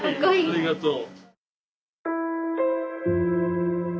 ありがとう。